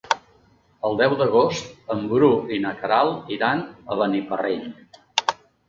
El deu d'agost en Bru i na Queralt iran a Beniparrell.